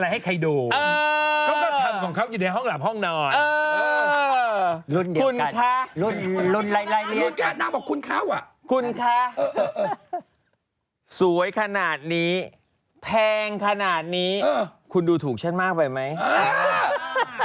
แหละสวยขนาดนี้แพงขนาดนี้เออคุณดูถูกฉันมากไปไหมเออ